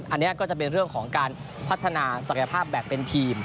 อันนี้ก็จะเป็นเรื่องของการพัฒนาศักยภาพแบบเป็นทีม